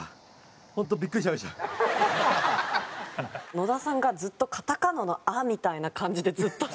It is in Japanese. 野田さんがずっとカタカナの「ア」みたいな感じでずっと。